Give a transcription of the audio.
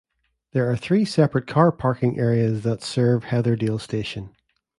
There are three separate car parking areas that serve Heatherdale station.